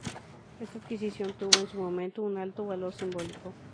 Esta adquisición tuvo en su momento un alto valor simbólico.